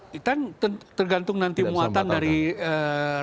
kan tergantung nanti muatan dari revisi undang undang kpk